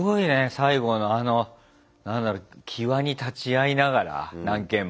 最後のあの何だろう際に立ち会いながら何件も。